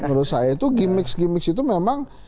menurut saya itu gimmick gimmick itu memang